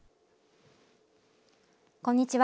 こんにちは。